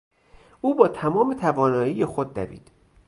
او با تمام توانایی خود دوید.